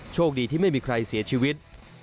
โชคดีที่ไม่มีใครเสียชีวิต